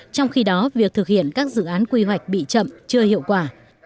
trong khi đó việc thực hiện các dự án quy hoạch bị chậm chưa hiệu quả